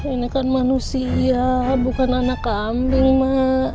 ini kan manusia bukan anak kambing mak